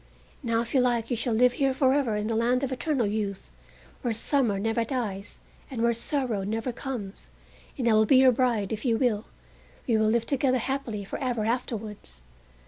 Now if you like you shall live here forever in the land of eternal youth, where summer never dies and where sorrow never comes, and I will be your bride if you will, and we will live together happily forever afterwards!"